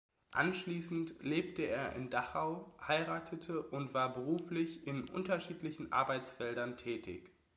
Anschließend lebte er in Dachau, heiratete, und war beruflich in unterschiedlichen Arbeitsfeldern tätig.